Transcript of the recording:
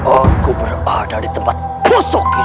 aku berada di tempat kosong ini